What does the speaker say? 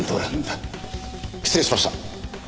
失礼しました。